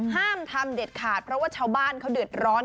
ห้ามทำเด็ดขาดเพราะว่าชาวบ้านเขาเดือดร้อน